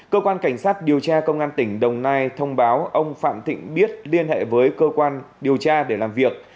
cơ quan cảnh sát điều tra công an tỉnh đồng nai thông báo ông phạm thịnh biết liên hệ với cơ quan điều tra để làm việc